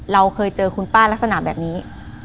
เราเคยเจอคุณป้าลักษณะแบบนี้